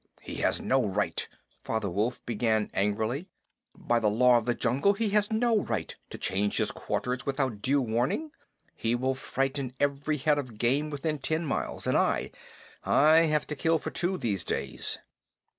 "He has no right!" Father Wolf began angrily "By the Law of the Jungle he has no right to change his quarters without due warning. He will frighten every head of game within ten miles, and I I have to kill for two, these days."